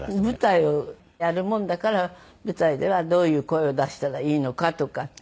舞台をやるもんだから舞台ではどういう声を出したらいいのかとか。